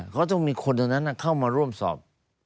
เขาต้องมีคนตรงนั้นเข้ามาร่วมสอบ